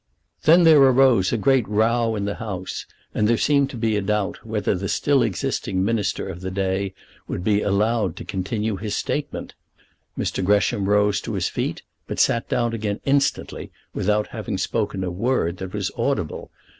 '" Then there arose a great row in the House, and there seemed to be a doubt whether the still existing Minister of the day would be allowed to continue his statement. Mr. Gresham rose to his feet, but sat down again instantly, without having spoken a word that was audible.